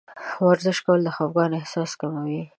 ورزش کول د خفګان احساس کموي.